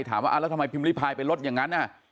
ถามว่าแล้วทำไมพิมพ์ริพายไปลดอย่างนั้น